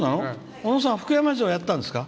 小野さん、福山城やってたんですか？